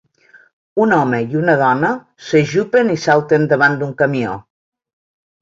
Un home i una dona s'ajupen i salten davant d'un camió.